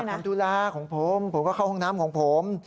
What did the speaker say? ผมอยากทำธุระของผมผมก็เข้าห้องน้ำของผม